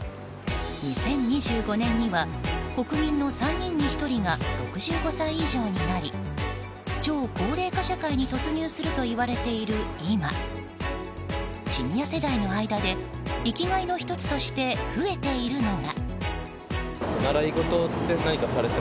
２０２５年には、国民の３人に１人が６５歳以上になり超高齢化社会に突入するといわれている今シニア世代の間で生きがいの１つとして増えているのが。